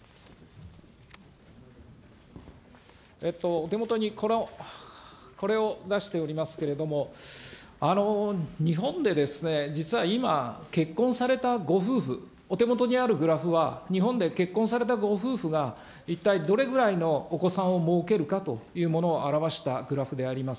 お手元にこれを出しておりますけれども、日本でですね、実は今、結婚されたご夫婦、お手元にあるグラフは、日本で結婚されたご夫婦が一体どれぐらいのお子さんをもうけるかというものを表したグラフであります。